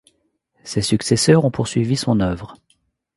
Ses successeurs ont poursuivi son œuvre.